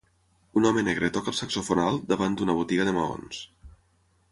Un home negre toca el saxofon alt davant d'una botiga de maons.